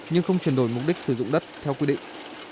nhưng không chuyển đổi mục đích sử dụng đất theo quy định